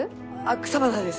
草花です。